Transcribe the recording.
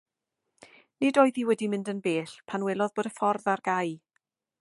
Nid oedd hi wedi mynd yn bell pan welodd bod y ffordd ar gau.